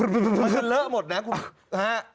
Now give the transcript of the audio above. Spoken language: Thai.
มันเลอะหมดนะคุณฮะ